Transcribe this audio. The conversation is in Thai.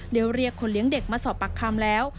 เรียกคนเลี้ยงเด็กมาสอบปากคำแล้ว